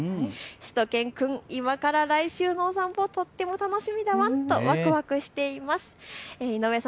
しゅと犬くん、今から来週のお散歩とっても楽しみだワンとわくわくしています。